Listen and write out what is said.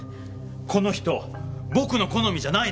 この人僕の好みじゃないです！